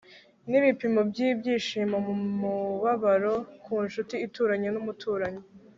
nibipimo byibyishimo numubabaro.ku nshuti ituranye n'umuturanyi